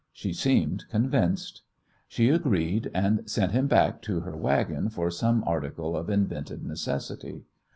She seemed convinced. She agreed, and sent him back to her wagon for some article of invented necessity.